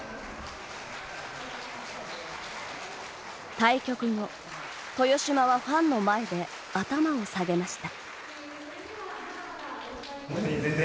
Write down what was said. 対局後、豊島はファンの前で頭を下げました。